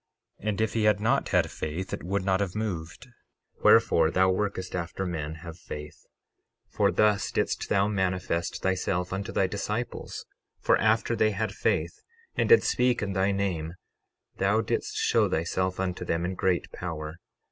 And if he had not had faith it would not have moved; wherefore thou workest after men have faith. 12:31 For thus didst thou manifest thyself unto thy disciples; for after they had faith, and did speak in thy name, thou didst show thyself unto them in great power.